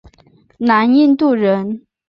南印度人。